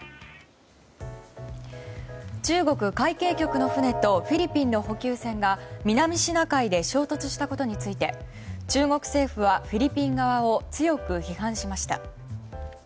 中国海警局の船とフィリピンの補給船が南シナ海で衝突したことについて中国政府はフィリピン側を強く批判しました。